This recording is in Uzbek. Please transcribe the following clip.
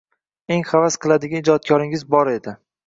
Eng havas qiladigan ijodkoringiz bo edi.